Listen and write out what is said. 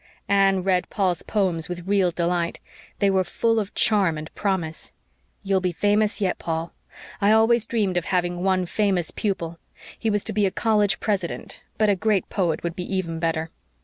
Anne read Paul's poems with real delight. They were full of charm and promise. "You'll be famous yet, Paul. I always dreamed of having one famous pupil. He was to be a college president but a great poet would be even better.